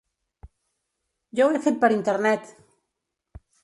Jo ho he fet per internet.